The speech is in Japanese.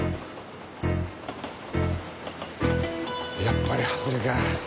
やっぱり外れか。